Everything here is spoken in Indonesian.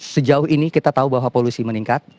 sejauh ini kita tahu bahwa polusi meningkat